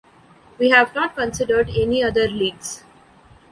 We have not considered any other leagues.